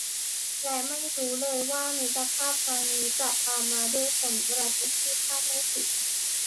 และไม่รู้เลยว่ามิตรภาพครั้งนี้จะตามมาด้วยผลกระทบที่คาดไม่ถึง